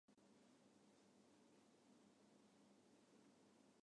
オラオラオラァ